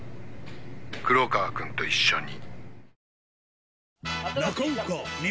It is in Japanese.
黒川君と一緒に。